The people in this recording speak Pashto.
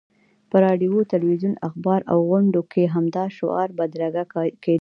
په راډیو، تلویزیون، اخبار او غونډو کې همدا شعار بدرګه کېدلو.